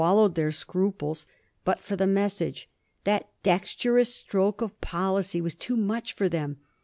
89 lowed their scruples but for the message; that dexterous stroke of policy was too much for them.